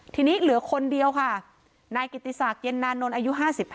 ทีนี้เหลือคนเดียวค่ะนายกิติศักดิ์เย็นนานนท์อายุ๕๕